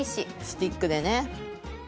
スティックでね。